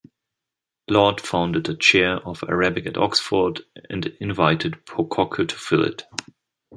Laud founded a Chair of Arabic at Oxford, and invited Pococke to fill it.